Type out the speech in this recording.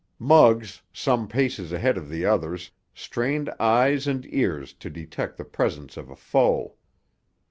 Muggs, some paces ahead of the others, strained eyes and ears to detect the presence of a foe.